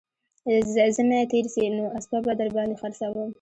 زمى تېر سي نو اسپه به در باندې خرڅوم